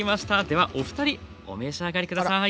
ではお二人お召し上がり下さい。